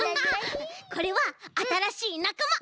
これはあたらしいなかま。